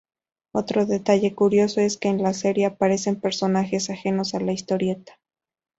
Otro detalle curioso, es que en la serie aparecen personajes ajenos a la historieta.